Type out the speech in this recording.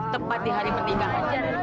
tepat di hari pernikahannya